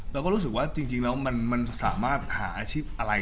เราก็รู้สึกว่าจริงแล้วมันสามารถหาอาชีพอะไร